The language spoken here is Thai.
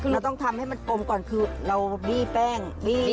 เราต้องทำให้มันกลมก่อนคือเราบี้แป้งบี้